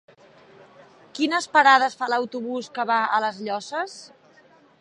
Quines parades fa l'autobús que va a les Llosses?